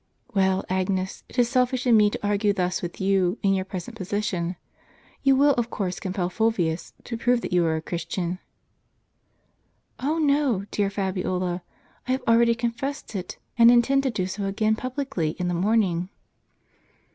" Well, Agnes, it is selfish in me to argue thus with you in your present position. You will of course compel Fulvius to 2irove that you are a Christian." " Oh, no ! dear Fabiola ; I have already confessed it, and intend to do so again publicly in the morning."